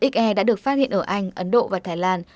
xe đã được phát hiện ở anh ấn độ và thái lan